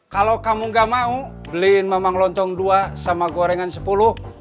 kalau kamu gak mau beliin memang lontong dua sama gorengan sepuluh